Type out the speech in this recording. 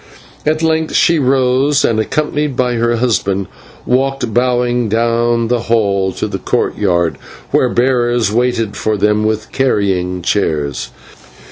At length she rose, and, accompanied by her husband, walked bowing down the hall to the court yard, where bearers waited for them with carrying chairs.